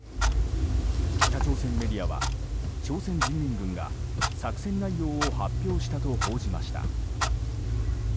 北朝鮮メディアは朝鮮人民軍が作戦内容を発表したと報じました。